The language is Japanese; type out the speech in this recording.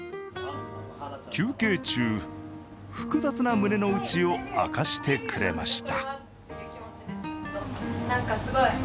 休憩中、複雑な胸の内を明かしてくれました。